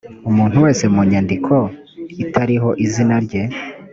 umuntu wese mu nyandiko itariho izina rye